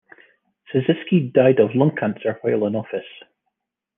Sisisky died of lung cancer while in office.